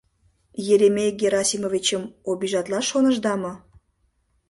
Еремей Герасимовичым обижатлаш шонышда мо?